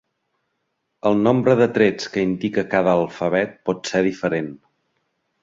El nombre de trets que indica cada alfabet pot ser diferent.